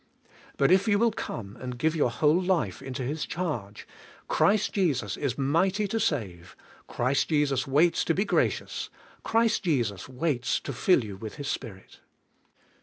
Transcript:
But if you will come and give your whole life into His charge, Christ Jesus is mighty to save; Christ Jesus waits to be gracious; Christ Jesus waits to fill you with His Spirit.